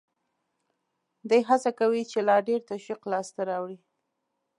دی هڅه کوي چې لا ډېر تشویق لاس ته راوړي